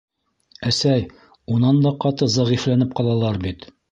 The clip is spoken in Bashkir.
— Әсәй, унан да ҡаты зәғифләнеп ҡалалар бит.